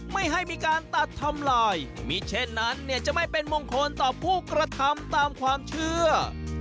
ไม่ให้มีการตัดทำลายมีเช่นนั้นเนี่ยจะไม่เป็นมงคลต่อผู้กระทำตามความเชื่อ